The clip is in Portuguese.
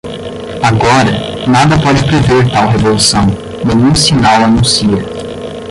Agora, nada pode prever tal revolução, nenhum sinal anuncia.